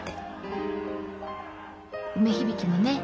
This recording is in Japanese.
梅響もね